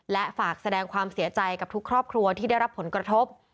และฝากแสดงความเสียใจกับทุกครอบครัวที่ได้รับผลกระทบ